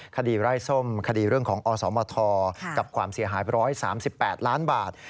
คดีไร้ส้มคดีเรื่องของอสมทกับความเสียหาย๑๓๘ล้านบาท